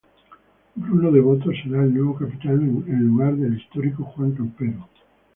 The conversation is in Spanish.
Bruno Devoto será el nuevo capitán en lugar del histórico Juan Campero.